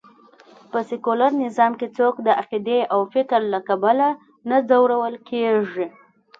په سکیولر نظام کې څوک د عقېدې او فکر له کبله نه ځورول کېږي